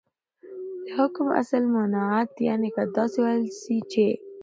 دحكم اصل ، ممانعت دى يعني كه داسي وويل سي چې